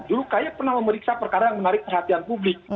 dulu kaya pernah memeriksa perkara yang menarik perhatian publik